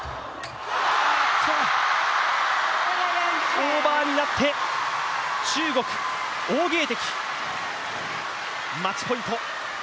オーバーになって、中国、王ゲイ迪、マッチポイント。